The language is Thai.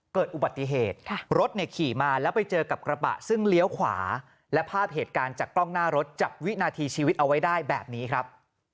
เกิดอุบัติเหตุรถเนี่ยขี่มาแล้วไปเจอกับกระบะซึ่งเลี้ยวขวาและภาพเหตุการณ์จากกล้องหน้ารถจับวินาทีชีวิตเอาไว้ได้แบบนี้ครับ